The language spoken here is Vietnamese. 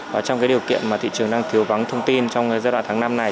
và trong cái điều kiện mà thị trường đang thiếu vắng thông tin trong giai đoạn tháng năm này